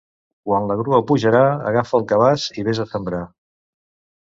Quan la grua pujarà, agafa el cabàs i ves a sembrar.